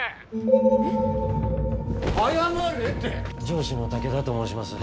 上司の武田と申します。